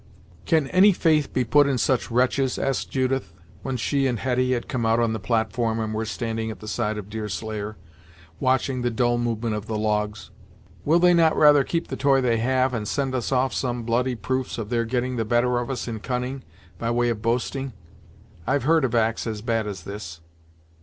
"Can any faith be put in such wretches?" asked Judith, when she and Hetty had come out on the platform, and were standing at the side of Deerslayer, watching the dull movement of the logs. "Will they not rather keep the toy they have, and send us off some bloody proofs of their getting the better of us in cunning, by way of boasting? I've heard of acts as bad as this."